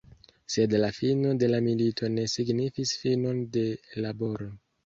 Sed la fino de la milito ne signifis finon de laboro.